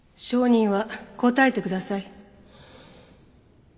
証人は答えてください。